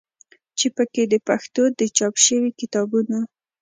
چې په کې د پښتو د چاپ شوي کتابونو